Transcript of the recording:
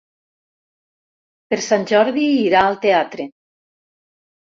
Per Sant Jordi irà al teatre.